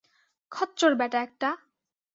খচ্চর ব্যাটা একটা।